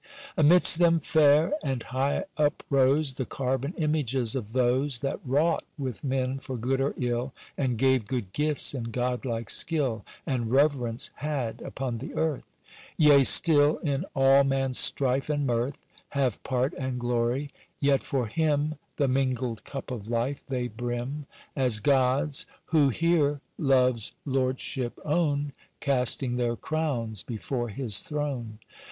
Amidst them fair and high uprose The carven images of those That wrought with men for good or ill, And gave good gifts, and god like skill, And reverence had upon the earth— Yea, still, in all man's strife and mirth Have part and glory, yet for him The mingled cup of life they brim, As gods, who here Love's lordship own Casting their crowns before his throne.